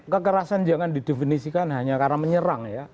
kekerasan jangan didefinisikan hanya karena menyerang ya